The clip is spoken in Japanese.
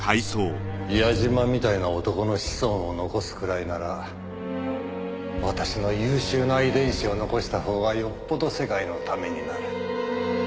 矢嶋みたいな男の子孫を残すくらいなら私の優秀な遺伝子を残した方がよっぽど世界のためになる。